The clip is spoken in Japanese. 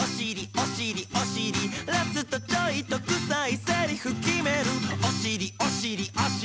「おしりおしり」「ラストチョイとくさいセリフ決める」「おしりおしりおしり」